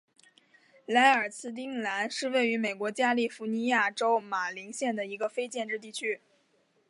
莱尔兹兰丁是位于美国加利福尼亚州马林县的一个非建制地区。